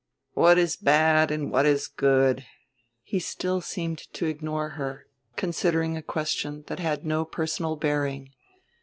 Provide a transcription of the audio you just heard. "What is bad and what is good?" He still seemed to ignore her, considering a question that had no personal bearing.